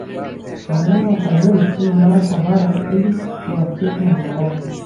Wanyama wafanyiwe vipimo mara kwa mara ili kuwakinga na maradhi